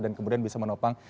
dan kemudian bisa menopang